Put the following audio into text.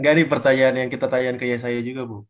gak nih pertanyaan yang kita tanyain ke ya saya juga bu